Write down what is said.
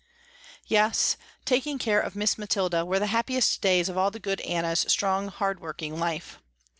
Yes, taking care of Miss Mathilda were the happiest days of all the good Anna's strong hard working life.